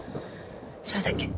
それだけ。